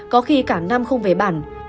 có khi cả năm không về bản